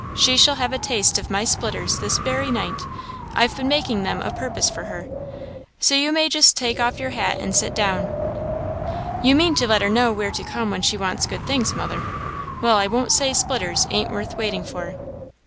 She shall have a taste of my splitters this very night; I've been makin' them o' purpose for her. So you may just take off your hat and sit down." "You mean to let her know where to come when she wants good things, mother. Well, I won't say splitters ain't worth waiting for."